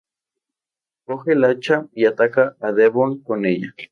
Coge el hacha, y ataca a Devon con ella.